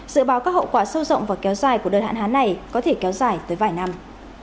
dự báo các hậu quả sâu rộng và kéo dài của đợt hạn hán này có thể kéo dài tới vài năm